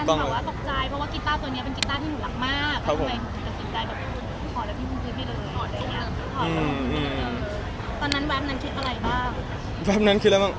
ตอนนั้นแวปนั้นคิดอะไรบ้าง